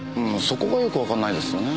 そこがよくわかんないですよね。